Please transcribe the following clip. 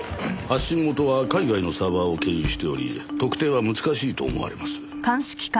発信元は海外のサーバーを経由しており特定は難しいと思われます。